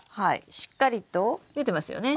しっかりと出てますよね。